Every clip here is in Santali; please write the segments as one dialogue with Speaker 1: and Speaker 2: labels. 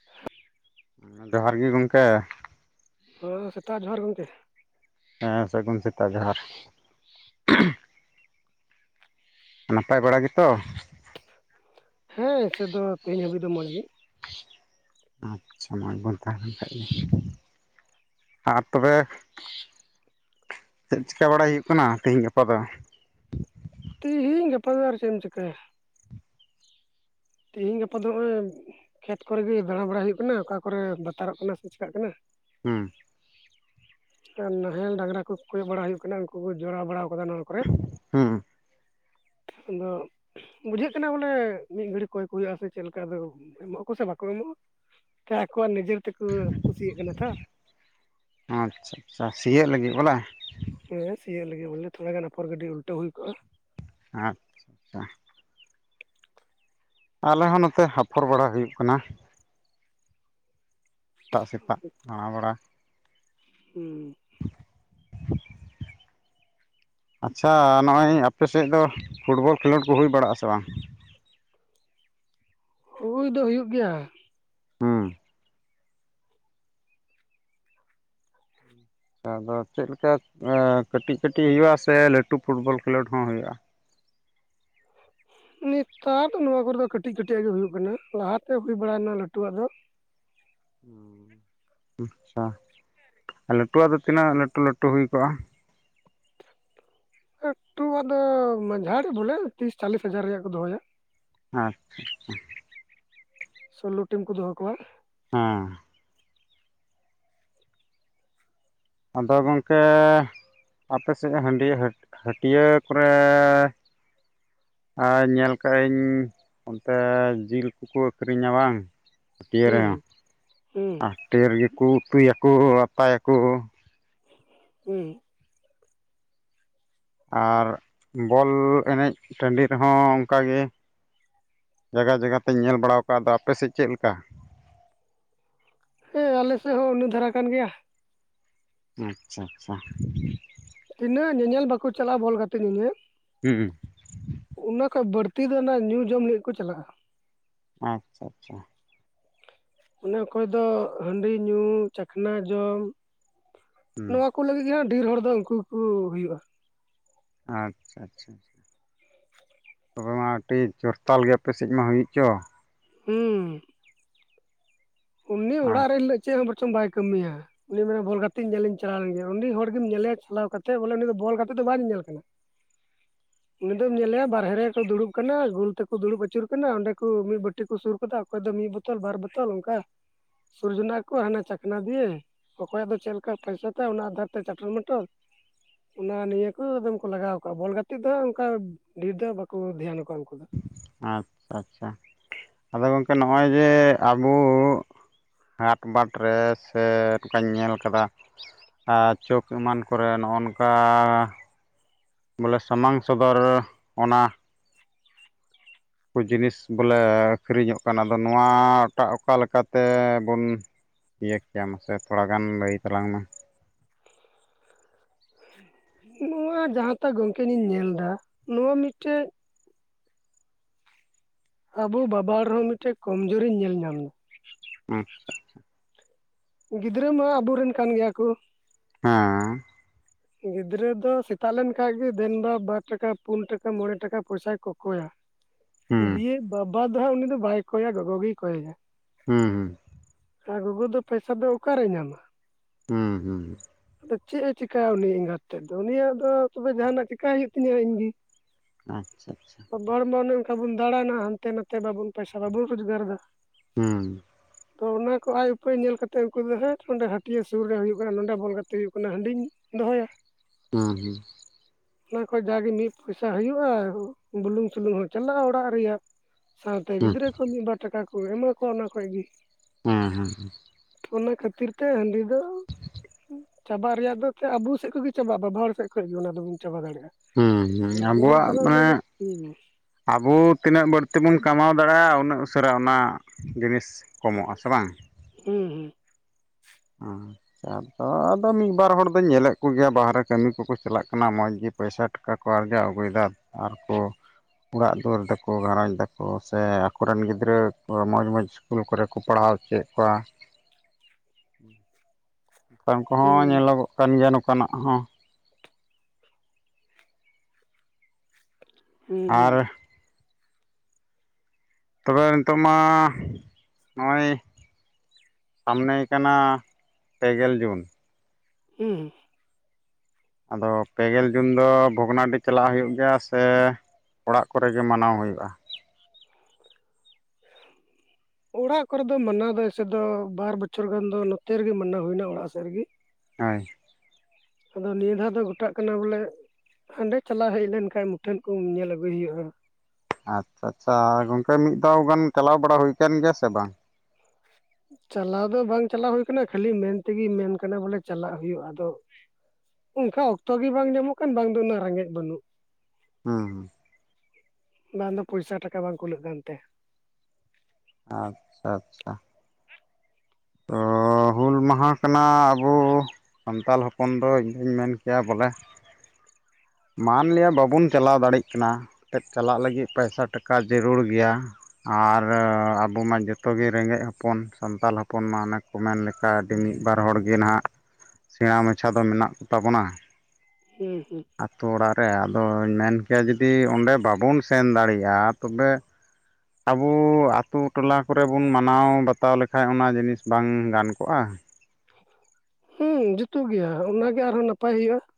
Speaker 1: [inaudible]
Speaker 2: ᱡᱚᱦᱟᱨ ᱜᱮ ᱜᱚᱝᱠᱮ᱾
Speaker 1: ᱦᱳᱭ ᱥᱮᱛᱟᱜ ᱡᱚᱦᱟᱨ ᱜᱚᱝᱠᱮ᱾
Speaker 2: ᱦᱮ ᱥᱟᱜᱩᱱ ᱥᱮᱛᱟᱜ ᱡᱚᱦᱟᱨ᱾ ᱱᱟᱯᱟᱭ ᱵᱟᱲᱟ ᱜᱮ ᱛᱚ?
Speaker 1: ᱦᱳᱭ ᱥᱮᱫᱚ ᱛᱮᱦᱮᱧ ᱦᱟᱹᱵᱤᱡ ᱫᱚ ᱢᱚᱸᱡᱽ ᱜᱮ᱾
Speaker 2: ᱟᱪᱪᱷᱟ ᱢᱚᱸᱡᱽ ᱵᱚᱱ ᱛᱟᱦᱮᱸᱞᱮᱱ ᱠᱷᱟᱡ ᱜᱮ, ᱟᱨ ᱛᱚᱵᱮ ᱪᱮᱫ ᱪᱤᱠᱟᱹ ᱵᱟᱲᱟᱭ ᱦᱩᱭᱩᱜ ᱠᱟᱱᱟ ᱛᱤᱦᱤᱧ ᱜᱟᱯᱟ ᱫᱚ?
Speaker 1: ᱛᱤᱦᱤᱧ ᱜᱟᱯᱟ ᱫᱚ ᱟᱨ ᱪᱮᱫ ᱮᱢ ᱪᱤᱠᱟᱭᱟ? ᱛᱤᱦᱤᱧ ᱜᱟᱯᱟ ᱫᱚ ᱱᱚᱜᱼᱚᱭ ᱠᱷᱮᱛ ᱠᱚᱨᱮᱜ ᱜᱮ ᱫᱟᱬᱟ ᱵᱟᱹᱲᱟᱭ ᱦᱩᱭᱩᱜ ᱠᱟᱱᱟ ᱚᱠᱟ ᱠᱚᱨᱮ ᱵᱟᱛᱟᱨᱚᱜ ᱠᱟᱱᱟ ᱥᱮ ᱪᱮᱠᱟᱜ ᱠᱟᱱᱟ᱾
Speaker 2: ᱦᱮᱸ
Speaker 1: ᱱᱟᱦᱮᱞ ᱰᱟᱝᱽᱨᱟ ᱠᱚᱸᱭᱚᱜ ᱵᱟᱲᱟ ᱦᱩᱭᱩᱜᱹ ᱠᱟᱱᱟ ᱩᱱᱠᱩ ᱠᱚ ᱡᱚᱲᱟ ᱵᱟᱲᱟᱣ [unintelligible] ᱵᱟᱲᱟ ᱠᱚᱨᱮ
Speaker 2: ᱦᱩᱸ
Speaker 1: ᱱᱚᱣᱟ ᱵᱩᱡᱷᱟᱹᱜ ᱠᱟᱱᱟ ᱵᱚᱞᱮ ᱢᱤᱫ ᱜᱷᱟᱹᱲᱤ ᱚᱠᱚᱭ ᱠᱚ ᱦᱩᱭᱩᱜᱼᱟ ᱥᱮ ᱪᱮᱫ ᱞᱮᱠᱟ ᱫᱚ ᱮᱢᱚᱜ ᱟᱠᱚ ᱥᱮ ᱵᱟᱠᱚ ᱮᱢᱚᱜᱼᱟ ᱥᱮ ᱟᱠᱚᱣᱟᱜ ᱱᱤᱡᱮᱨ ᱛᱮᱸᱠᱚ ᱠᱩᱥᱤᱭᱟᱜ ᱠᱟᱱᱟ ᱛᱷᱚ?
Speaker 2: ᱟᱪᱪᱷᱟ ᱟᱪᱪᱷᱟ ᱥᱤᱭᱳᱜ ᱞᱟᱹᱜᱤᱫ ᱵᱚᱞᱮ?
Speaker 1: ᱦᱮᱸ ᱥᱤᱭᱳᱜ ᱞᱟᱹᱜᱤᱫ ᱵᱚᱞᱮ ᱛᱷᱚᱲᱟ ᱜᱟᱱ ᱟᱯᱷᱚᱨ ᱜᱟᱹᱰᱤ ᱩᱞᱴᱟ ᱦᱩᱭ ᱠᱚᱜᱼᱟ᱾
Speaker 2: [unintelligible] [inaudible] ᱟᱞᱮ ᱦᱚᱸ ᱱᱚᱛᱮ ᱟᱯᱷᱚᱨ ᱵᱟᱲᱟ ᱦᱩᱭᱩᱜ ᱠᱟᱱᱟ ᱾ ᱥᱮᱛᱟᱜ ᱥᱮᱛᱟᱜ ᱫᱟᱬᱟᱵᱟᱲᱟ ᱾
Speaker 1: ᱦᱩᱸ᱾
Speaker 2: ᱟᱪᱪᱷᱟ ᱱᱚᱜᱼᱚᱭ ᱟᱯᱮ ᱥᱮᱫ ᱫᱚ ᱯᱷᱩᱴᱵᱚᱞ ᱠᱷᱮᱞᱳᱰ ᱠᱚ ᱦᱩᱭ ᱵᱟᱲᱟᱜ ᱟᱥᱮ ᱵᱟᱝ?
Speaker 1: ᱦᱩᱭ ᱫᱚ ᱦᱩᱭᱩᱜ ᱜᱮᱭᱟ ᱾
Speaker 2: ᱦᱩᱸ ᱾ ᱟᱫᱚ ᱪᱮᱫ ᱞᱮᱠᱟ ᱠᱟᱹᱴᱤᱡ ᱠᱟᱹᱴᱤᱡ ᱦᱩᱭᱩᱜᱼᱟ ᱥᱮ ᱞᱟᱹᱴᱩ ᱯᱷᱩᱴᱵᱚᱞ ᱠᱷᱮᱞᱳᱰ ᱦᱚᱸ ᱦᱩᱭᱩᱜᱼᱟ?
Speaker 1: ᱱᱮᱛᱟᱨ ᱫᱚ ᱱᱚᱣᱟ ᱠᱚᱨ ᱫᱚ ᱠᱟᱹᱴᱤᱡ ᱠᱟᱹᱴᱤᱡ ᱟ ᱜᱮ ᱦᱳᱭᱳᱜ ᱠᱟᱱᱟ ᱞᱟᱦᱟ ᱛᱮ ᱦᱩᱭ ᱵᱟᱲᱟᱭᱱᱟ ᱞᱟᱹᱴᱩᱣᱟᱜ ᱫᱚ ᱾
Speaker 2: ᱟᱪᱪᱷᱟ, ᱞᱟᱹᱴᱩᱣᱟᱜ ᱫᱚ ᱛᱤᱱᱟᱹᱜ ᱞᱟᱹᱴᱩ ᱞᱟᱹᱴᱩ ᱦᱩᱭ ᱠᱚᱜᱼᱟ?
Speaker 1: ᱮᱠᱴᱩᱣᱟᱜ ᱫᱚ ᱢᱟᱡᱷᱟᱲᱤ ᱵᱚᱞᱮ ᱛᱤᱥ ᱪᱟᱞᱞᱤᱥ ᱦᱟᱡᱟᱨ ᱨᱮᱭᱟᱜ ᱠᱚ ᱫᱚᱦᱚᱭᱟ ᱾
Speaker 2: ᱟᱪᱪᱷᱟ ᱟᱪᱪᱷᱟ ᱾
Speaker 1: ᱥᱳᱞᱞᱳ ᱴᱤᱢ ᱠᱚ ᱫᱚᱦᱚ ᱠᱚᱣᱟ ᱾
Speaker 2: ᱦᱮᱸ ᱟᱫᱚ ᱜᱚᱢᱠᱮ ᱟᱯᱮ ᱥᱮᱫ ᱦᱟᱺᱰᱤ ᱦᱟᱹᱴᱭᱟᱹ ᱠᱚᱨᱮ ᱟᱨ ᱧᱮᱞ ᱠᱟᱜ-ᱟᱹᱧ ᱚᱱᱛᱮ ᱡᱤᱞ ᱠᱚᱠᱚ ᱟᱹᱠᱷᱨᱤᱧᱟ ᱵᱟᱝ? ᱦᱟᱹᱴᱭᱟᱹ
Speaker 1: ᱦᱩᱸ
Speaker 2: ᱨᱮᱦᱚᱸ
Speaker 1: ᱦᱩᱸ
Speaker 2: ᱟᱨ ᱦᱟᱹᱴᱤᱭᱟᱹ ᱨᱮᱜᱮ ᱠᱚ ᱩᱛᱩᱭᱟᱠᱚ ᱟᱛᱟᱭᱟᱠᱚ ᱾
Speaker 1: ᱦᱩᱸ ᱾
Speaker 2: ᱟᱨ ᱵᱚᱞ ᱮᱱᱮᱡ ᱴᱟᱺᱰᱤ ᱨᱮᱦᱚᱸ ᱚᱱᱠᱟ ᱜᱮ ᱾ ᱡᱟᱜᱟ ᱡᱟᱜᱟ ᱛᱮᱧ ᱧᱮᱞ ᱵᱟᱲᱟᱣ ᱟᱠᱟᱫ ᱟᱫᱚ ᱟᱯᱮᱥᱮᱫ ᱪᱮᱫ ᱞᱮᱠᱟ?
Speaker 1: ᱦᱮᱸ ᱟᱞᱮᱥᱮᱫ ᱦᱚᱸ ᱩᱱᱟᱹ ᱫᱷᱟᱨᱟ ᱠᱟᱱ ᱜᱮᱭᱟ ᱾
Speaker 2: ᱟᱪᱪᱷᱟ ᱟᱪᱪᱷᱟ ᱾
Speaker 1: ᱛᱤᱱᱟᱹᱜ ᱧᱮ-ᱧᱮᱞ ᱵᱟᱠᱚ ᱪᱟᱞᱟᱜᱼᱟ ᱵᱚᱞ ᱜᱟᱛᱮᱜ ᱧᱮ-ᱧᱮᱞ
Speaker 2: ᱦᱩᱸ ᱾
Speaker 1: ᱚᱱᱟ ᱠᱷᱚᱱᱚᱡ ᱵᱟᱹᱲᱛᱤ ᱫᱚ ᱚᱱᱟ ᱧᱩ ᱡᱚᱢ ᱞᱟᱹᱜᱤᱫ ᱠᱚ ᱪᱟᱞᱟᱜᱼᱟ ᱾
Speaker 2: ᱟᱪᱪᱷᱟ ᱟᱪᱪᱷᱟ ᱾
Speaker 1: ᱚᱱᱮ ᱚᱠᱚᱭ ᱫᱚ ᱦᱟᱺᱰᱤ ᱧᱩ ᱪᱟᱠᱷᱱᱟ ᱡᱚᱢ
Speaker 2: ᱦᱩᱸ
Speaker 1: ᱱᱚᱣᱟ ᱠᱩ ᱞᱟᱹᱜᱤᱫ ᱜᱮ ᱦᱟᱸᱜ ᱰᱷᱮᱨ ᱦᱚᱲ ᱫᱚ ᱩᱱᱠᱩ ᱠᱚ ᱦᱩᱭᱩᱜᱼᱟ ᱾
Speaker 2: ᱟᱪᱪᱷᱟ ᱟᱪᱪᱷᱟ ᱾ ᱛᱚᱵᱮ ᱢᱟ ᱟᱹᱰᱤ ᱪᱚᱨᱛᱟᱞ ᱜᱮ ᱟᱯᱮᱥᱮᱫ ᱢᱟ ᱦᱩᱭᱩᱜ ᱪᱚ ᱾
Speaker 1: ᱦᱩᱸ ᱾ ᱩᱱᱤ ᱚᱲᱟᱜ ᱨᱮ
Speaker 2: ᱟᱪᱪᱷᱟ
Speaker 1: ᱦᱤᱞᱳᱜ ᱪᱮᱫ ᱦᱚᱸ ᱵᱚᱨᱪᱷᱚᱢ ᱵᱟᱭ ᱠᱟᱹᱢᱤᱭᱟ ᱾ ᱩᱱᱤ ᱢᱟᱱᱮ ᱵᱚᱞ ᱜᱟᱛᱮᱜ ᱧᱮᱞᱤᱧ ᱪᱟᱞᱟᱣ ᱞᱮᱱ ᱜᱮ ᱩᱱᱤ ᱦᱚᱲ ᱜᱮᱢ ᱧᱮᱞᱮᱭᱟ ᱪᱟᱞᱟᱣ ᱠᱟᱛᱮᱫ ᱵᱚᱞᱮ ᱩᱱᱤ ᱫᱚ ᱵᱚᱞ ᱜᱟᱛᱮᱜ ᱫᱚ ᱵᱟᱹᱭ ᱧᱮ-ᱧᱮᱞ ᱠᱟᱱᱟ ᱾ [inaudible] ᱩᱱᱤ ᱫᱚᱢ ᱧᱮᱞᱮᱭᱟ ᱵᱟᱨᱦᱮ ᱨᱮ ᱠᱚ ᱫᱩᱲᱩᱵ ᱠᱟᱱᱟ ᱜᱳᱞ ᱛᱮᱠᱚ ᱫᱩᱲᱩᱵ ᱟᱹᱪᱩᱨ ᱠᱟᱱᱟ ᱚᱸᱰᱮ ᱠᱚ ᱢᱤᱫ ᱵᱟᱹᱴᱤ ᱠᱚ ᱥᱩᱨ ᱠᱟᱫᱟ ᱚᱠᱚᱭ ᱫᱚ ᱢᱤᱫ ᱵᱳᱛᱚᱞ ᱵᱟᱨ ᱵᱳᱛᱚᱞ ᱚᱱᱠᱟ ᱾ ᱥᱩᱨ ᱡᱚᱱᱟ ᱟᱠᱚ ᱦᱟᱱᱟ ᱪᱟᱠᱷᱱᱟ ᱫᱤᱭᱮ ᱾ ᱚᱠᱚᱭᱟᱜ ᱫᱚ ᱪᱮᱫ ᱞᱮᱠᱟ ᱯᱚᱭᱥᱟ ᱛᱟᱭ ᱚᱱᱟ ᱟᱫᱷᱟᱨ ᱛᱮ ᱪᱟᱴᱚᱨ ᱢᱟᱴᱚᱨ ᱚᱱᱟ ᱱᱤᱭᱟᱹ ᱠᱚ ᱟᱫᱚᱢ ᱠᱚ ᱞᱟᱜᱟᱣ ᱠᱟᱜᱼᱟ ᱵᱚᱞ ᱜᱟᱛᱮᱜ ᱫᱚ ᱚᱱᱠᱟ ᱰᱷᱤᱨ ᱫᱚ ᱵᱟᱠᱚ ᱫᱷᱮᱭᱟᱱ ᱠᱚᱣᱟ ᱩᱱᱠᱩ ᱫᱚ ᱾
Speaker 2: ᱟᱪᱪᱷᱟ ᱟᱪᱪᱷᱟ ᱟᱫᱚ ᱜᱚᱝᱠᱮ ᱱᱚᱜᱼᱚᱭ ᱡᱮ ᱟᱵᱚ ᱦᱟᱴ-ᱵᱟᱴ ᱨᱮ ᱥᱮ ᱱᱚᱝᱠᱟᱧ ᱧᱮᱞ ᱠᱟᱫᱟ ᱟᱸ ᱪᱚᱠ ᱮᱢᱟᱱ ᱠᱚᱨᱮ ᱱᱚᱜᱼᱚᱱᱠᱟᱻ ᱵᱚᱞᱮ ᱥᱟᱢᱟᱝ ᱥᱚᱫᱚᱨ ᱚᱱᱟ ᱠᱚ ᱡᱤᱱᱤᱥ ᱵᱚᱞᱮ ᱟᱹᱠᱷᱨᱤᱧᱚᱜ ᱠᱟᱱᱟ ᱟᱫᱚ ᱱᱚᱣᱟᱴᱟᱜ ᱚᱠᱟ ᱞᱮᱠᱟ ᱛᱮᱵᱚᱱ ᱤᱭᱟᱹ ᱠᱮᱭᱟ ᱢᱟᱥᱮ ᱛᱷᱚᱲᱟ ᱜᱟᱱ ᱞᱟᱹᱭ ᱛᱟᱞᱟᱝ ᱢᱮ ᱾
Speaker 1: ᱱᱚᱣᱟ ᱡᱟᱦᱟᱸ ᱴᱟᱜ ᱜᱚᱝᱠᱮ ᱞᱤᱧ ᱧᱮᱞ ᱫᱟ ᱱᱚᱣᱟ ᱢᱤᱫᱴᱮᱡ ᱟᱵᱚ ᱵᱟᱵᱟ ᱦᱚᱲ ᱨᱮᱦᱚᱸ ᱢᱤᱫᱴᱮᱡ ᱠᱚᱢ ᱡᱚᱨᱤᱧ ᱧᱮᱞ ᱧᱟᱢ ᱫᱟ ᱾
Speaker 2: ᱟᱪᱪᱷᱟ ᱾
Speaker 1: ᱜᱤᱫᱽᱨᱟᱹ ᱢᱟ ᱟᱵᱚ ᱨᱮᱱ ᱠᱟᱱ ᱜᱮᱭᱟ ᱠᱚ ᱾
Speaker 2: ᱦᱮᱸ ᱾
Speaker 1: ᱜᱤᱫᱽᱨᱟᱹ ᱫᱚ ᱥᱮᱛᱟᱜ ᱞᱮᱱᱠᱷᱟᱡ ᱜᱮ ᱫᱮᱱᱵᱟ ᱵᱟᱨ ᱴᱟᱠᱟ ᱯᱩᱱ ᱴᱟᱠᱟ ᱢᱚᱬᱮ ᱴᱟᱠᱟ ᱯᱚᱭᱥᱟᱭ ᱠᱚᱠᱚᱭᱟ
Speaker 2: ᱦᱩᱸ
Speaker 1: ᱾ ᱫᱤᱭᱮ ᱵᱟᱵᱟ ᱫᱚ ᱦᱟᱸᱜ ᱩᱱᱤ ᱫᱚ ᱵᱟᱭ ᱠᱚᱭᱟ ᱜᱚᱜᱚ ᱜᱮᱭ ᱠᱚᱭᱟ᱾
Speaker 2: ᱦᱩᱸ ᱦᱩᱸ
Speaker 1: ᱟᱨ ᱜᱚᱜᱚ ᱫᱚ ᱯᱚᱭᱥᱟ ᱫᱚ ᱚᱠᱟᱨᱮ ᱧᱟᱢᱟ᱾
Speaker 2: ᱦᱩᱸ ᱦᱩᱸ
Speaker 1: ᱪᱮᱫ ᱮ ᱪᱤᱠᱟᱭᱟ᱾ ᱪᱤᱠᱟ ᱩᱱᱤ ᱮᱸᱜᱟᱛ ᱛᱮᱫ ᱫᱚ ᱩᱱᱤᱭᱟᱜ ᱫᱚ ᱛᱚᱵᱮ ᱡᱟᱦᱟᱱᱟᱜ ᱪᱤᱠᱮᱟᱭ ᱦᱩᱭᱩᱜ ᱛᱤᱧᱟᱹ ᱤᱧᱜᱮ
Speaker 2: ᱟᱪᱪᱷᱟ ᱟᱪᱪᱷᱟ
Speaker 1: ᱵᱟᱵᱟ ᱦᱚᱲ ᱚᱱᱮ ᱚᱱᱠᱟ ᱵᱚᱱ ᱫᱟᱬᱟᱱᱟ ᱦᱟᱱᱛᱮ ᱱᱟᱛᱮ ᱵᱟᱵᱚᱱ ᱯᱚᱭᱥᱟ ᱵᱟᱵᱚᱱ ᱨᱳᱡᱽᱜᱟᱨ ᱮᱫᱟ᱾
Speaker 2: ᱦᱩᱸ
Speaker 1: [unintelligible] ᱛᱚ ᱚᱱᱟ ᱠᱚ ᱟᱡ ᱩᱯᱟᱹᱭ ᱧᱮᱞ ᱠᱟᱛᱮᱫ ᱩᱱᱠᱩ ᱫᱚ ᱦᱮᱸᱴ ᱱᱚᱸᱰᱮ ᱦᱟᱹᱴᱤᱭᱟᱹᱟᱹ ᱥᱩᱨ ᱨᱮ ᱦᱩᱭᱩᱜ ᱠᱟᱱᱟ ᱱᱚᱰᱮ ᱵᱚᱞ ᱜᱟᱛᱮ ᱦᱩᱭᱩᱜ ᱠᱟᱱᱟ ᱦᱟᱺᱰᱤ ᱫᱚᱦᱚᱭᱟ᱾
Speaker 2: ᱦᱩᱸ ᱦᱩᱸ
Speaker 1: [unintelligible] ᱚᱱᱟ ᱠᱷᱚᱡ ᱡᱟᱜᱮ ᱢᱤᱫ ᱯᱚᱭᱥᱟ ᱦᱩᱭᱩᱜᱼᱟ, ᱵᱩᱞᱩᱝ ᱥᱩᱱᱩᱝ ᱦᱚᱸ ᱪᱟᱞᱟᱜᱼᱟ ᱚᱲᱟᱜ ᱨᱮᱭᱟᱜ ᱥᱟᱶᱛᱮ
Speaker 2: ᱦᱩᱸ
Speaker 1: ᱜᱤᱫᱽᱨᱟᱹ ᱠᱚ ᱢᱤᱫᱵᱟᱨ ᱴᱟᱠᱟ ᱠᱚ ᱮᱢᱟ ᱠᱚᱣᱟ ᱚᱱᱟ ᱠᱷᱚᱡ ᱜᱮ᱾
Speaker 2: ᱦᱩᱸ ᱦᱩᱸ ᱦᱩᱸ
Speaker 1: ᱚᱱᱟ ᱠᱷᱟᱹᱛᱤᱨ ᱛᱮ ᱦᱟᱺᱰᱤ ᱫᱚ ᱪᱟᱵᱟᱜ ᱨᱮᱭᱟᱜ ᱫᱚ ᱟᱵᱚ ᱥᱮᱫ ᱠᱷᱚᱡ ᱜᱮ ᱪᱟᱵᱟᱜᱼᱟ ᱵᱟᱵᱟ ᱦᱚᱲ ᱥᱮᱫ ᱠᱷᱚᱡ ᱜᱮ ᱚᱱᱟ ᱫᱚᱵᱚᱱ ᱪᱟᱵᱟ ᱫᱟᱲᱮᱭᱟᱜᱼᱟ᱾
Speaker 2: ᱦᱮᱸ ᱦᱮᱸ
Speaker 1: ᱜᱚᱜᱚ ᱦᱚᱲ ᱫᱚ
Speaker 2: ᱟᱵᱚᱣᱟᱜ
Speaker 1: ᱦᱟᱸᱜ ᱚᱱᱟ
Speaker 2: ᱢᱟᱱᱮ
Speaker 1: ᱦᱩᱸ
Speaker 2: ᱟᱵᱚ ᱛᱤᱱᱟᱹᱜ ᱵᱟᱹᱲᱛᱤ ᱵᱚᱱ ᱠᱟᱢᱟᱣ ᱫᱟᱲᱮᱭᱟᱜᱼᱟ ᱩᱱᱟᱹᱜ ᱩᱥᱟᱹᱨᱟ ᱚᱱᱟ ᱡᱤᱱᱤᱥ ᱠᱚᱢᱚᱜᱼᱟ ᱥᱮ ᱵᱟᱝ
Speaker 1: ᱦᱮᱸ ᱦᱩᱸ
Speaker 2: ᱟᱪᱪᱷᱟ ᱟᱫᱚ ᱟᱫᱚ ᱢᱤᱫ ᱵᱟᱨ ᱦᱚᱲ ᱫᱚᱧ ᱧᱮᱞᱮᱫ ᱠᱚᱜᱮᱭᱟ ᱵᱟᱦᱨᱮ ᱠᱟᱹᱢᱤ ᱠᱚᱠᱚ ᱪᱟᱞᱟᱜ ᱠᱟᱱᱟ ᱢᱚᱡᱽ ᱜᱮ᱾ ᱯᱚᱭᱥᱟ ᱴᱟᱠᱟ ᱠᱚ ᱟᱨᱡᱟᱣ ᱟᱹᱜᱩᱭᱮᱫᱟ ᱟᱨ ᱠᱚ ᱚᱲᱟᱜ ᱫᱩᱣᱟᱹᱨ ᱫᱟᱠᱚ ᱜᱷᱟᱨᱚᱸᱡᱽ ᱫᱟᱠᱚ ᱥᱮ ᱟᱠᱚᱨᱮᱱ ᱜᱤᱫᱽᱨᱟᱹ ᱠᱚ ᱢᱚᱡᱽ ᱢᱚᱡᱽ ᱤᱥᱠᱩᱞ ᱠᱚᱨᱮ ᱠᱚ ᱯᱟᱲᱦᱟᱣ ᱚᱪᱚᱭᱮᱫ ᱠᱚᱣᱟ᱾ ᱱᱚᱝᱠᱟᱱ
Speaker 1: ᱦᱩᱸ
Speaker 2: ᱠᱚᱦᱚᱸ ᱧᱮᱞᱚᱜᱚᱜ ᱠᱟᱱ ᱜᱮᱭᱟ ᱱᱚᱝᱠᱟᱱᱟᱜ ᱦᱚᱸ
Speaker 1: ᱦᱩᱸᱦᱩᱸ
Speaker 2: ᱟᱨ ᱛᱚᱵᱮ ᱱᱤᱛᱚᱜ ᱢᱟ ᱱᱚᱜᱼᱚᱭ ᱥᱟᱢᱱᱮᱭ ᱠᱟᱱᱟ ᱯᱮᱜᱮᱞ ᱡᱩᱱ
Speaker 1: ᱦᱩᱸᱦᱩᱸ
Speaker 2: ᱟᱫᱚ ᱯᱮᱜᱮᱞ ᱡᱩᱱ ᱫᱚ ᱵᱷᱚᱜᱽᱱᱟᱰᱤ ᱪᱟᱞᱟᱜ ᱦᱩᱭᱩᱜ ᱜᱮᱭᱟ ᱥᱮ ᱚᱲᱟᱜ ᱠᱚᱨᱮ ᱜᱮ ᱢᱟᱱᱟᱣ ᱦᱩᱭᱩᱜᱼᱟ᱾
Speaker 1: [unintelligible] ᱚᱲᱟᱜ ᱠᱚᱨᱮ ᱫᱚ ᱢᱟᱱᱟ ᱫᱚ ᱮᱥᱮ ᱫᱚ ᱵᱟᱨ ᱵᱚᱪᱷᱚᱨ ᱜᱟᱱ ᱫᱚ ᱱᱚᱛᱮ ᱨᱮᱜᱮ ᱢᱟᱱᱟᱣ ᱦᱩᱭᱱᱟ ᱚᱲᱟᱜ ᱥᱮᱫ ᱨᱮᱜᱮ᱾
Speaker 2: ᱦᱳᱭ
Speaker 1: ᱟᱫᱚ ᱱᱤᱭᱟᱹ ᱫᱷᱟᱣ ᱫᱚ ᱜᱚᱴᱟᱜ ᱠᱟᱱᱟ ᱵᱚᱞᱮ ᱦᱟᱸᱰᱮ ᱪᱟᱞᱟᱣ ᱦᱮᱡ ᱞᱮᱱ ᱠᱷᱟᱱ ᱢᱩᱴᱷᱟᱹᱱ ᱠᱚ ᱧᱮᱞ ᱟᱹᱜᱩᱭ ᱦᱩᱭᱩᱜᱼᱟ᱾
Speaker 2: ᱟᱪᱪᱷᱟ ᱟᱪᱪᱷᱟ ᱜᱚᱝᱠᱮ ᱢᱤᱫ ᱫᱷᱟᱣ ᱜᱟᱱ ᱪᱟᱞᱟᱣ ᱵᱟᱲᱟ ᱦᱩᱭ ᱟᱠᱟᱱ ᱜᱮᱭᱟ ᱥᱮ ᱵᱟᱝ?
Speaker 1: ᱪᱟᱞᱟᱣ ᱫᱚ ᱵᱟᱝ ᱪᱟᱞᱟᱣ ᱦᱩᱭ ᱠᱟᱱᱟ ᱠᱷᱟᱹᱞᱤ ᱢᱮᱱᱛᱮᱜᱮ ᱢᱮᱱ ᱠᱟᱱᱟ ᱵᱚᱞᱮ ᱪᱟᱞᱟᱜ ᱦᱩᱭᱩᱜ-ᱟ ᱟᱫᱚ᱾ ᱚᱱᱠᱟ ᱚᱠᱛᱚ ᱜᱮ ᱵᱟᱝ ᱧᱟᱢᱚᱜ ᱠᱟᱱ ᱵᱟᱝ ᱫᱚ ᱩᱱᱟᱹᱜ ᱨᱮᱸᱜᱮᱡ ᱵᱟᱹᱱᱩᱜ
Speaker 2: ᱦᱮᱸ ᱦᱩᱸ
Speaker 1: ᱵᱟᱝ ᱫᱚ ᱯᱚᱭᱥᱟ ᱴᱟᱠᱟ ᱵᱟᱝ ᱠᱩᱞᱟᱹᱜ ᱠᱟᱱᱛᱮ
Speaker 2: ᱟᱪᱪᱷᱟ ᱟᱪᱪᱷᱟ ᱚ ᱦᱩᱞ ᱢᱟᱦᱟ ᱠᱟᱱᱟ ᱟᱵᱚ ᱥᱟᱱᱛᱟᱲ ᱦᱚᱯᱚᱱ ᱫᱚ ᱤᱧᱫᱩᱧ ᱢᱮᱱ ᱠᱮᱭᱟ ᱵᱚᱞᱮ ᱢᱟᱱᱞᱤᱭᱟ ᱵᱟᱵᱚᱱ ᱪᱟᱞᱟᱣ ᱫᱟᱲᱮᱭᱟᱜ ᱠᱟᱱᱟ᱾ ᱛᱮᱫ ᱪᱟᱞᱟᱜ ᱞᱟᱹᱜᱤᱫ ᱯᱟᱭᱥᱟᱼ ᱴᱟᱠᱟ ᱡᱟᱹᱨᱩᱲ ᱜᱮᱭᱟ᱾ ᱟᱨ ᱟᱵᱚ ᱢᱟ ᱡᱚᱛᱚᱜᱮ ᱨᱮᱸᱜᱮᱡ ᱦᱚᱯᱚᱱ ᱥᱟᱱᱛᱟᱲ ᱦᱚᱯᱚᱱ ᱦᱚᱯᱚᱱ ᱢᱟ ᱚᱱᱮᱠᱚ ᱢᱮᱱ ᱞᱮᱠᱟ ᱟᱹᱰᱤ ᱢᱤᱫ ᱵᱟᱨ ᱦᱚᱲᱜᱮ ᱦᱟᱜ ᱥᱮᱬᱟ ᱢᱟᱪᱷᱟ ᱫᱚ ᱢᱮᱱᱟᱜ ᱠᱚ ᱛᱟᱵᱚᱱᱟ᱾
Speaker 1: ᱦᱩᱸ ᱦᱩᱸ
Speaker 2: ᱟᱛᱳ ᱚᱲᱟᱜ ᱨᱮ ᱟᱫᱚᱧ ᱢᱮᱱ ᱠᱮᱭᱟ ᱡᱩᱫᱤ ᱚᱸᱰᱮ ᱵᱟᱵᱚᱱ ᱥᱮᱱ ᱫᱟᱲᱮᱭᱟᱜᱼᱟ ᱛᱚᱵᱮ ᱟᱵᱚ ᱟᱛᱳ ᱴᱚᱞᱟ ᱠᱚᱨᱮ ᱵᱚᱱ ᱢᱟᱱᱟᱣ ᱵᱟᱛᱟᱣ ᱞᱮᱠᱟᱡ ᱚᱱᱟ ᱡᱤ ᱡᱤᱱᱤᱥ ᱵᱟᱝ ᱜᱟᱱ ᱠᱚᱜᱼᱟ᱾
Speaker 1: ᱦᱮᱸ ᱡᱩᱛᱩᱜ ᱜᱤᱭᱟ ᱚᱱᱟᱜ ᱜᱮ ᱟᱨᱦᱚᱸ ᱱᱟᱯᱟᱭ ᱦᱳᱭᱳᱜᱼᱟ ᱾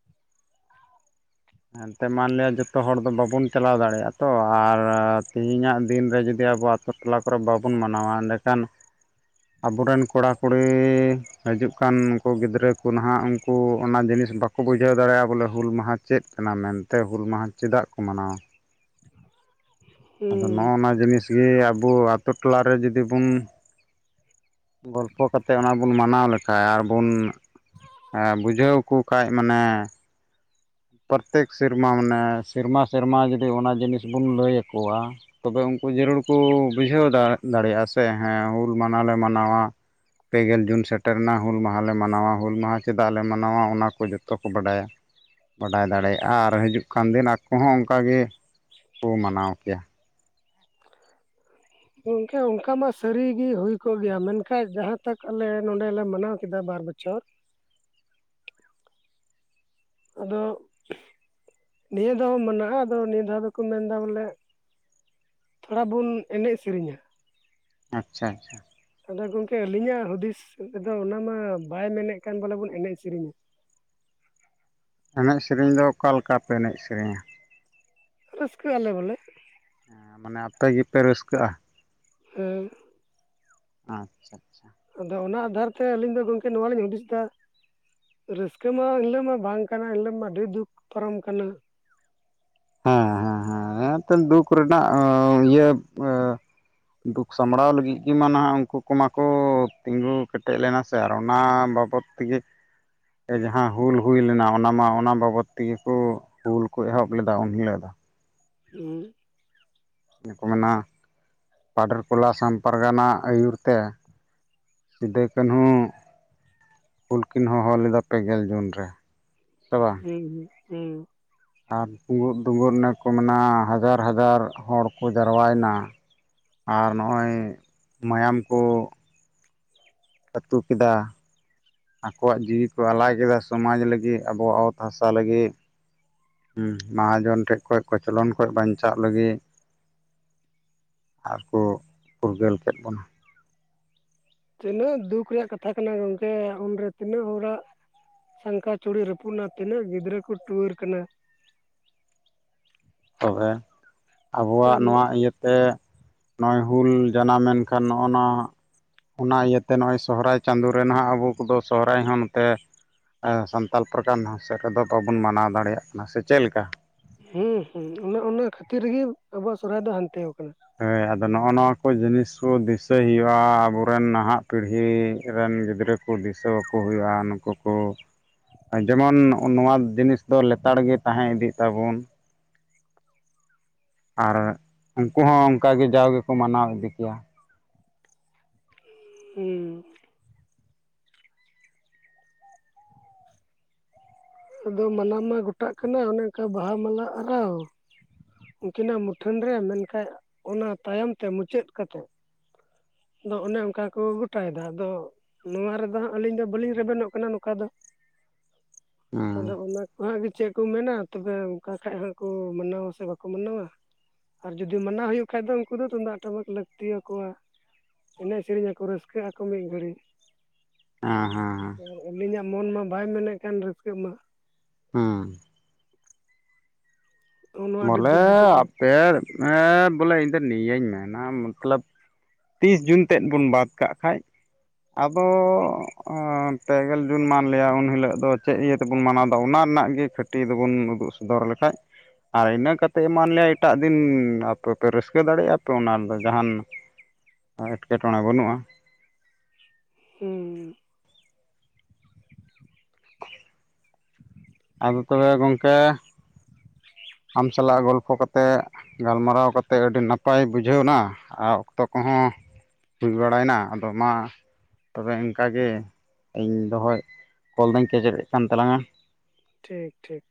Speaker 2: ᱮᱱᱛᱮᱫ ᱢᱟᱱᱞᱤᱭᱟ ᱡᱚᱛᱚ ᱦᱚᱲ ᱫᱚ ᱵᱟᱵᱚᱱ ᱪᱟᱞᱟᱣ ᱫᱟᱲᱮᱭᱟᱜᱼᱟ ᱛᱚ ᱟᱨ ᱛᱮᱦᱤᱧᱟᱜ ᱫᱤᱱ ᱨᱮ ᱡᱩᱫᱤ ᱟᱵᱚᱣᱟᱜ ᱴᱚᱞᱟ ᱠᱚᱨᱮ ᱵᱟᱵᱚᱱ ᱢᱟᱱᱟᱣᱟ ᱮᱸᱰᱮ ᱠᱷᱟᱱ ᱟᱵᱚᱨᱮᱱ ᱠᱚᱲᱟ ᱠᱩᱲᱤ, ᱦᱤᱡᱩᱜ ᱠᱟᱱ ᱩᱱᱠᱩ ᱜᱤᱫᱽᱨᱟᱹ ᱠᱚ ᱱᱟᱦᱟᱜ ᱩᱱᱠᱩ ᱚᱱᱟ ᱡᱤᱱᱤᱥ ᱵᱟᱠᱚ ᱠᱚ ᱵᱩᱡᱷᱟᱹᱣ ᱫᱟᱲᱮᱭᱟᱜᱼᱟ ᱵᱚᱞᱮ ᱦᱩᱞ ᱢᱟᱦᱟ ᱪᱮᱫ ᱠᱟᱱᱟ ᱢᱮᱱᱛᱮ ᱦᱩᱞ ᱢᱟᱦᱟ ᱪᱮᱫᱟᱜ ᱠᱚ ᱢᱟᱱᱟᱣᱟ? ᱟᱫᱚ
Speaker 1: ᱦᱩᱸ
Speaker 2: ᱱᱚᱜᱼᱚᱱᱟ ᱡᱤᱱᱤᱥ ᱜᱮ ᱟᱵᱚ ᱟᱛᱳ ᱴᱚᱞᱟ ᱨᱮ ᱡᱩᱫᱤ ᱵᱚᱱ ᱜᱚᱞᱯᱷᱚ ᱠᱟᱛᱮᱜ ᱚᱱᱟ ᱵᱚᱱ ᱢᱟᱱᱟᱣ ᱞᱮᱠᱷᱟᱱ ᱟᱨᱵᱚᱱ ᱵᱩᱡᱷᱟᱹᱣ ᱠᱚ ᱠᱷᱟᱡ ᱢᱟᱱᱮ ᱯᱨᱚᱛᱮᱠ ᱥᱮᱨᱢᱟ ᱢᱟᱱᱮ ᱥᱮᱨᱢᱟ, ᱥᱮᱨᱢᱟ ᱡᱩᱫᱤ ᱚᱱᱟ ᱡᱤᱱᱤᱥ ᱵᱚᱱ ᱞᱟᱹᱭ ᱠᱚᱣᱟ᱾ ᱛᱚᱵᱮ ᱩᱝᱠᱩ ᱡᱟᱹᱨᱩᱲ ᱠᱚ ᱵᱩᱡᱷᱟᱹᱣ ᱫᱟᱲᱮᱭᱟᱜᱼᱟ ᱥᱮ ᱦᱮᱸ ᱦᱩᱞ ᱢᱟᱱᱟᱞᱮ ᱢᱟᱱᱟᱣᱟ᱾ ᱯᱮᱜᱮᱞ ᱡᱩᱱ ᱥᱮᱴᱮᱨᱮᱱᱟ, ᱦᱩᱞ ᱢᱟᱦᱟᱞᱮ ᱢᱟᱱᱟᱣᱟ ᱦᱩᱞ ᱢᱟᱦᱟ ᱪᱮᱫᱟᱜ ᱞᱮ ᱢᱟᱱᱟᱣᱟ ᱚᱱᱟᱠᱚ ᱡᱚᱛᱚ ᱠᱚ ᱵᱟᱰᱟᱭᱟ᱾ ᱵᱟᱰᱟᱭ ᱫᱟᱲᱮᱭᱟᱜᱼᱟ ᱟᱨ ᱦᱤᱡᱩᱜ ᱠᱟᱱ ᱫᱤᱱ ᱟᱠᱚ ᱦᱚᱸ ᱚᱱᱠᱟ ᱜᱮ ᱠᱚ ᱢᱟᱱᱟᱣ ᱠᱮᱭᱟ᱾
Speaker 1: ᱜᱚᱝᱠᱮ ᱚᱱᱠᱟ ᱢᱟ ᱥᱟᱹᱨᱤ ᱜᱤ ᱦᱩᱭ ᱠᱚᱜ ᱜᱮᱭᱟ ᱢᱮᱱᱠᱷᱟᱡ ᱡᱟᱦᱟᱸ ᱛᱟᱜ ᱟᱞᱮ ᱱᱚᱰᱮᱞᱮ ᱢᱟᱱᱟᱣ ᱠᱮᱫᱟ ᱵᱟᱨ ᱵᱚᱪᱷᱚᱨ ᱟᱫᱚ ᱱᱤᱭᱟᱹ ᱫᱷᱟᱣ ᱢᱟᱱᱟᱜᱼᱟ ᱟᱫᱚ ᱱᱤᱭᱟᱹ ᱫᱷᱟᱣ ᱫᱚᱠᱚ ᱢᱮᱱᱫᱟ ᱵᱚᱞᱮ ᱛᱷᱚᱲᱟ ᱵᱚᱱ ᱮᱱᱮᱡ ᱥᱮᱨᱮᱧᱟ᱾
Speaker 2: ᱟᱪᱪᱷᱟ ᱟᱪᱪᱷᱟ᱾
Speaker 1: ᱟᱫᱚ ᱜᱚᱝᱠᱮ ᱟᱹᱞᱤᱧᱟᱜ ᱦᱩᱫᱤᱥ ᱫᱚ ᱚᱱᱟ ᱢᱟ ᱵᱟᱭ ᱢᱮᱱᱮᱫ ᱠᱟᱱ ᱵᱚᱞᱮ ᱵᱚᱱ ᱮᱱᱮᱡ ᱥᱮᱨᱮᱧᱼᱟ᱾
Speaker 2: ᱮᱱᱮᱡ ᱥᱮᱨᱮᱧ ᱫᱚ ᱚᱠᱟ ᱞᱮᱠᱟ ᱯᱮ ᱮᱱᱮᱡ ᱥᱮᱨᱮᱧᱟ᱾
Speaker 1: ᱨᱟᱹᱥᱠᱟᱹᱜ ᱟᱞᱮ ᱵᱚᱞᱮ᱾
Speaker 2: ᱢᱟᱱᱮ ᱟᱯᱮ ᱜᱮᱯᱮ ᱨᱟᱹᱥᱠᱟᱹᱜᱼᱟ᱾
Speaker 1: ᱦᱩᱸ
Speaker 2: ᱟᱪᱪᱷᱟ ᱟᱪᱪᱷᱟ᱾
Speaker 1: ᱟᱫᱚ ᱚᱱᱟ ᱟᱫᱷᱟᱨ ᱛᱮ ᱟᱹᱞᱤᱧ ᱫᱚ ᱜᱚᱝᱠᱮ ᱱᱚᱣᱟ ᱞᱤᱧ ᱦᱩᱫᱤᱥ ᱮᱫᱟ ᱨᱟᱹᱥᱠᱟᱹ ᱢᱟ ᱮᱱᱦᱤᱞᱟᱹᱜ ᱢᱟ ᱵᱟᱝ ᱠᱟᱱᱟ ᱮᱱᱦᱤᱞᱟᱹᱜ ᱢᱟ ᱟᱹᱰᱤ ᱫᱩᱠ ᱯᱟᱨᱚᱢ ᱠᱟᱱᱟ᱾
Speaker 2: ᱦᱮᱸ ᱦᱮᱸ
Speaker 1: ᱦᱩᱸ
Speaker 2: ᱦᱮᱸ ᱮᱱᱛᱚ ᱫᱩᱠ ᱨᱮᱱᱟᱜ ᱦᱚᱸ ᱤᱭᱟᱹ ᱫᱩᱠ ᱥᱟᱢᱵᱽᱲᱟᱣ ᱞᱟᱹᱜᱤᱫ ᱜᱮᱢᱟ ᱱᱟᱦᱟᱜ ᱩᱱᱠᱩ ᱠᱚᱢᱟᱠᱚ ᱛᱤᱸᱜᱩ ᱠᱮᱴᱮᱡ ᱞᱮᱱᱟ ᱥᱮ ᱟᱨ ᱚᱱᱟ ᱵᱟᱵᱚᱛ ᱛᱤᱜᱤᱛ ᱡᱟᱦᱟᱸ ᱦᱩᱞ ᱦᱩᱭ ᱞᱮᱱᱟ ᱚᱱᱟ ᱢᱟ ᱚᱱᱟ ᱵᱟᱵᱚᱫ ᱛᱮᱜᱮ ᱠᱚ ᱦᱩᱞ ᱠᱚ ᱮᱦᱚᱵ ᱞᱮᱫ ᱫᱟ ᱩᱱ ᱦᱤᱞᱳᱜ ᱫᱚ᱾
Speaker 1: ᱦᱩᱸ
Speaker 2: ᱤᱭᱟᱹ ᱠᱚ ᱢᱮᱱᱟ, ᱯᱟᱰᱮᱨᱠᱚᱞᱟ ᱥᱟᱢ ᱯᱟᱨᱜᱟᱱᱟ ᱟᱹᱭᱩᱨ ᱛᱮ᱾ ᱥᱤᱫᱟᱹ ᱠᱟᱹᱱᱦᱩ ᱦᱩᱞ ᱠᱤᱱ ᱦᱚᱦᱚ ᱞᱮᱫᱟ ᱯᱮᱜᱮᱞ ᱡᱩᱱ ᱨᱮ ᱥᱮ ᱵᱟᱝ?
Speaker 1: ᱦᱩᱸ ᱦᱩᱸ ᱦᱩᱸ
Speaker 2: ᱟᱨ ᱯᱩᱸᱵᱩᱜ ᱰᱩᱸᱜ ᱱᱮᱠᱚ ᱢᱮᱱᱟ ᱦᱟᱡᱟᱨ ᱦᱟᱡᱟᱨ ᱦᱚᱲ ᱠᱚ ᱡᱟᱨᱣᱟᱭ ᱱᱟ᱾ ᱟᱨ ᱱᱚᱜᱼᱚᱭ ᱢᱟᱭᱟᱢ ᱠᱚ ᱟᱹᱛᱩ ᱠᱮᱫᱟ᱾ ᱟᱠᱚᱣᱟᱜ ᱡᱤᱣᱤ ᱠᱚ ᱟᱞᱟᱭ ᱠᱮᱫᱟ ᱥᱚᱢᱟᱡᱽ ᱞᱟᱹᱜᱤᱫ ᱟᱵᱚᱣᱟᱜ ᱚᱛ ᱦᱟᱥᱟ ᱞᱟᱹᱜᱤᱫ ᱢᱟᱦᱟᱡᱚᱱ ᱴᱷᱮᱡ ᱠᱷᱚᱱ ᱠᱚᱪᱞᱚᱱ ᱠᱷᱚᱱ ᱵᱟᱧᱪᱟᱜ ᱞᱟᱹᱜᱤᱫ ᱟᱨ ᱠᱚ ᱯᱷᱩᱨᱜᱟᱹᱞ ᱠᱮᱫ ᱵᱚᱱᱟ ᱾
Speaker 1: ᱛᱤᱱᱟᱹᱜ ᱫᱩᱠ ᱨᱮᱭᱟᱜ ᱠᱟᱛᱷᱟ ᱠᱟᱱᱟ ᱜᱚᱢᱠᱮ ᱩᱱᱨᱮ ᱛᱤᱱᱟᱹᱜ ᱦᱚᱲᱟᱜ ᱥᱟᱝᱠᱷᱟ ᱪᱩᱲᱤ ᱨᱟᱹᱯᱩᱫᱱᱟ ᱛᱤᱱᱟᱹᱜ ᱜᱤᱫᱽᱨᱟᱹ ᱠᱚ ᱴᱩᱣᱟᱹᱨ ᱠᱟᱱᱟ ᱾
Speaker 2: ᱛᱚᱵᱮ, ᱟᱵᱚᱣᱟᱜ
Speaker 1: ᱦᱩᱸ
Speaker 2: ᱱᱚᱣᱟ ᱤᱭᱟᱹᱛᱮ ᱱᱚᱜᱼᱚᱭ ᱦᱩᱞ ᱡᱟᱱᱟᱢ ᱢᱮᱱᱮᱱ ᱠᱷᱟᱱ ᱱᱚᱜᱼᱚᱱᱟ ᱚᱱᱟ ᱤᱭᱟᱹᱛᱮ ᱱᱚᱜᱼᱚᱭ ᱥᱚᱦᱨᱟᱭ ᱪᱟᱸᱫᱳ ᱨᱮ ᱱᱟᱦᱟᱜ ᱟᱵᱚ ᱠᱚᱫᱚ ᱥᱚᱦᱚᱨᱟᱭ ᱦᱚᱸ ᱱᱚᱛᱮ ᱥᱟᱱᱛᱟᱲ ᱯᱨᱚᱠᱟᱨ ᱥᱮᱫ ᱨᱮᱫᱚ ᱵᱟᱵᱚᱱ ᱢᱟᱱᱟᱣ ᱫᱟᱲᱮᱭᱟᱜ ᱠᱟᱱᱟ ᱥᱮ ᱪᱮᱫ ᱞᱮᱠᱟ?
Speaker 1: ᱦᱮᱸ ᱦᱮᱸ ᱚᱱᱮ ᱚᱱᱟ ᱠᱷᱟᱹᱛᱤᱨᱜᱤ ᱟᱵᱩᱣᱟᱜ ᱥᱚᱨᱦᱟᱭ ᱫᱚ ᱦᱟᱱᱛᱮ ᱟᱠᱟᱱᱟ ᱾
Speaker 2: ᱦᱮᱭ ᱟᱫᱚ ᱱᱚᱜᱼᱚ ᱱᱚᱣᱟ ᱠᱚ ᱡᱤᱱᱤᱥ ᱠᱚ ᱫᱤᱥᱟᱹᱭ ᱦᱩᱭᱩᱜᱼᱟ ᱟᱵᱚᱨᱮᱱ ᱱᱟᱦᱟᱜ ᱯᱤᱲᱦᱤ ᱨᱮᱱ ᱜᱤᱫᱽᱨᱟᱹ ᱠᱩ ᱫᱤᱥᱟᱹᱣᱟᱠᱚ ᱦᱩᱭᱩᱜᱼᱟ ᱱᱩᱠᱩ ᱠᱚ ᱡᱮᱢᱚᱱ ᱱᱚᱣᱟ ᱡᱤᱱᱤᱥ ᱫᱚ ᱞᱮᱛᱟᱲ ᱜᱮ ᱛᱟᱦᱮᱸ ᱤᱫᱤᱜ ᱛᱟᱵᱚᱱ ᱟᱨ ᱩᱱᱠᱩ ᱦᱚᱸ ᱚᱱᱠᱟᱜ ᱜᱮ ᱡᱟᱣ ᱜᱮᱠᱚ ᱢᱟᱱᱟᱣ ᱤᱫᱤ ᱠᱮᱭᱟ ᱾
Speaker 1: ᱦᱩᱸ ᱟᱫᱚ ᱢᱟᱱᱟ ᱢᱟ ᱜᱚᱴᱟᱜ ᱠᱟᱱᱟ ᱚᱱᱮ ᱚᱱᱠᱟ ᱵᱟᱦᱟ ᱢᱟᱞᱟ ᱟᱨᱟᱣ ᱾ ᱩᱱᱠᱤᱱᱟᱜ ᱢᱩᱴᱷᱟᱹᱱ ᱨᱮ, ᱢᱮᱱᱠᱟᱱ ᱚᱱᱟ ᱛᱟᱭᱚᱢ ᱛᱮ ᱢᱩᱪᱟᱹᱫ ᱠᱟᱛᱮᱫ ᱾ ᱟᱫᱚ ᱚᱱᱮ ᱚᱱᱠᱟ ᱠᱚ ᱜᱚᱴᱟᱭᱮᱫᱟ ᱟᱫᱚ ᱱᱚᱣᱟ ᱨᱮᱫᱚ ᱦᱟᱸᱜ ᱟᱹᱞᱤᱧ ᱫᱚ ᱵᱟᱹᱞᱤᱧ ᱨᱮᱵᱮᱱᱚᱜ ᱠᱟᱱᱟ ᱱᱚᱝᱠᱟ ᱫᱚ ᱾ ᱟᱫᱚ
Speaker 2: ᱦᱮᱸ
Speaker 1: ᱚᱱᱟ ᱟᱜ ᱜᱮ ᱪᱮᱫ ᱠᱚ ᱢᱮᱱᱟ ᱛᱚᱵᱮ ᱚᱱᱠᱟ ᱠᱷᱟᱱ ᱦᱚᱸ ᱠᱚ ᱢᱟᱱᱟᱣᱟ ᱥᱮ ᱵᱟᱠᱚ ᱢᱟᱱᱟᱣᱟ? ᱟᱨ ᱡᱩᱫᱤ ᱢᱟᱱᱟᱣ ᱦᱩᱭᱩᱜ ᱠᱷᱟᱟᱱ ᱫᱚ ᱩᱱᱠᱩ ᱫᱚ ᱛᱩᱢᱫᱟᱜ ᱴᱟᱢᱟᱠ ᱞᱟᱹᱠᱛᱤᱭᱟᱠᱚᱣᱟ ᱾ ᱮᱱᱮᱡ ᱥᱮᱨᱮᱧ ᱟᱠᱚ ᱨᱟᱹᱥᱠᱟᱹᱜ ᱟᱠᱚ ᱢᱤᱫ ᱜᱷᱟᱹᱲᱤᱡᱽ ᱾
Speaker 2: ᱦᱟᱸ ᱦᱟᱸ
Speaker 1: ᱟᱨ ᱟᱹᱞᱤᱧᱟᱜ ᱢᱚᱱ ᱢᱟ ᱵᱟᱭ ᱢᱮᱱᱮᱫ ᱠᱟᱱ ᱨᱟᱹᱥᱠᱟᱹᱜ ᱢᱟ ᱾
Speaker 2: ᱦᱩᱸ
Speaker 1: ᱱᱚᱜᱼᱚ ᱱᱚᱣᱟ ᱟᱹᱰᱤ
Speaker 2: ᱵᱚᱞᱮ
Speaker 1: ᱫᱩᱠ ᱵᱩᱡᱷᱟᱹᱜ ᱠᱟᱱᱟ
Speaker 2: ᱟᱯᱮ ᱵᱚᱞᱮ ᱤᱧ ᱫᱚ ᱱᱤᱭᱟᱹᱧ ᱢᱮᱱᱟ ᱢᱚᱛᱞᱚᱵ ᱛᱤᱥ ᱡᱩᱱ ᱛᱮᱫ ᱵᱚᱱ ᱵᱟᱫ ᱠᱟᱜ ᱠᱷᱟᱡ ᱟᱫᱚ ᱯᱮᱜᱮᱞ ᱡᱩᱱ ᱢᱟᱱ ᱞᱟᱹᱭᱟ ᱩᱱ ᱦᱤᱞᱳᱜ ᱫᱚ ᱪᱮᱫ ᱤᱭᱟᱹᱛᱮ ᱥᱮᱵᱚᱱ ᱢᱟᱱᱟᱣᱫᱟ ᱚᱱᱟ ᱨᱮᱱᱟᱜ ᱜᱮ ᱠᱷᱟᱹᱴᱤ ᱫᱚᱵᱚᱱ ᱩᱫᱩᱜ ᱥᱚᱫᱚᱨ ᱞᱮᱠᱟᱱ ᱟᱨ ᱤᱱᱟᱹᱛᱮᱫ ᱮᱢᱟᱱ ᱞᱮᱭᱟ ᱮᱴᱟᱜ ᱫᱤᱱ ᱟᱯᱮ ᱯᱮ ᱨᱟᱹᱥᱠᱟᱹ ᱫᱟᱲᱮᱭᱟᱜᱼᱟ ᱯᱮ ᱚᱱᱟ ᱨᱮᱫᱚ ᱡᱟᱦᱟᱱ ᱮᱴᱠᱮᱴᱚᱬᱮ ᱵᱟᱹᱱᱩᱜᱼᱟ ᱾
Speaker 1: ᱦᱩᱸ
Speaker 2: [unintelligible] ᱟᱫᱚ ᱛᱚᱵᱮ ᱜᱚᱢᱠᱮ ᱟᱢ ᱥᱟᱞᱟᱜ ᱜᱚᱞᱯᱷᱚ ᱠᱟᱛᱮᱫ ᱜᱟᱞᱢᱟᱨᱟᱣ ᱠᱟᱛᱮᱫ ᱟᱹᱰᱤ ᱱᱟᱯᱟᱭ ᱵᱩᱡᱷᱟᱹᱣᱱᱟ ᱟᱨ ᱚᱠᱛᱚ ᱠᱚᱦᱚᱸ ᱦᱩᱭ ᱵᱟᱲᱟᱭᱮᱱᱟ ᱟᱫᱚ ᱢᱟ ᱛᱚᱵᱮ ᱤᱱᱠᱟᱜᱮ ᱤᱧ ᱫᱚᱦᱚᱭ ᱠᱚᱞ ᱫᱚᱩᱧ ᱠᱮᱪᱮᱨᱮᱫ ᱠᱟᱱ ᱛᱟᱞᱟᱝᱼᱟ ᱾
Speaker 1: ᱴᱷᱤᱠ ᱴᱷᱤᱠ